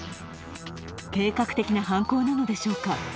計画的な犯行なのでしょうか。